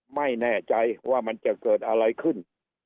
ไม่แน่ใจว่ามันจะเกิดอะไรขึ้น